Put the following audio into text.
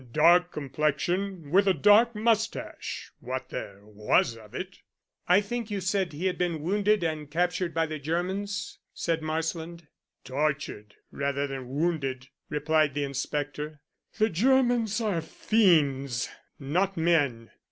"Dark complexion with a dark moustache what there was of it." "I think you said he had been wounded and captured by the Germans?" said Marsland. "Tortured rather than wounded," replied the inspector. "The Germans are fiends, not men.